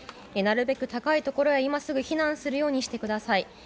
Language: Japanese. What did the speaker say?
なるべく高いところへ今すぐ避難するようにしてください。